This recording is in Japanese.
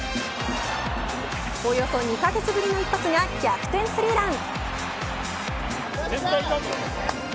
およそ２カ月ぶりの一発が逆転スリーラン。